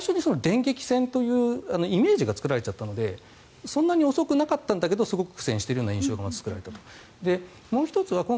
なので最初に電撃戦というイメージが作られちゃったのでそんなに遅くなかったんだけどすごく苦戦しているようなイメージが作られたと。